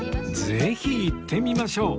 ぜひ行ってみましょう！